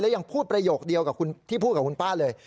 ยังพูดประโยคเดียวกับที่พูดกับคุณป้าเลย